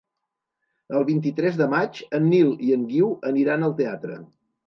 El vint-i-tres de maig en Nil i en Guiu aniran al teatre.